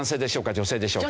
女性でしょうか？